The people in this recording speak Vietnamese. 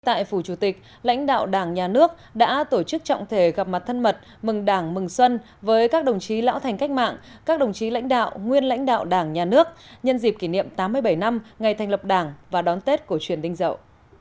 tại phủ chủ tịch lãnh đạo đảng nhà nước đã tổ chức trọng thể gặp mặt thân mật mừng đảng mừng xuân với các đồng chí lão thành cách mạng các đồng chí lãnh đạo nguyên lãnh đạo đảng nhà nước nhân dịp kỷ niệm tám mươi bảy năm ngày thành lập đảng và đón tết cổ truyền đinh dậu